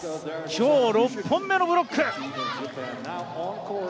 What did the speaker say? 今日６本目のブロック！